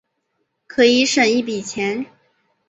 可以省一笔钱